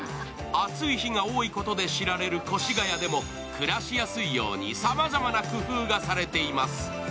暑い日が多いことで知られる越谷でも暮らしやすいようにさまざまな工夫がされています。